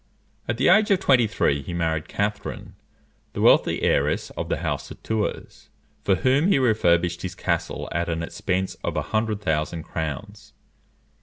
At the age of twenty three he married Catherine, the wealthy heiress of the house of Touars, for whom he refurnished his castle at an expense of a hundred thousand crowns.